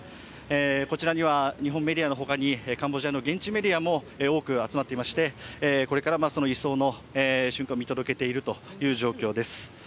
こちらには日本メディアの他にカンボジアの現地メディアも多く集まっていましてこれから移送の瞬間を見届けているという状況です。